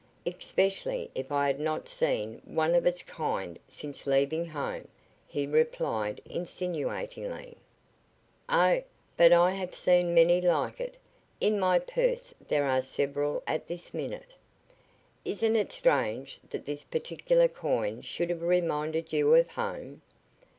"Especially if I had not seen one of its kind since leaving home," he replied, insinuatingly. "Oh, but I have seen many like it. In my purse there are several at this minute." "Isn't it strange that this particular coin should have reminded you of home?"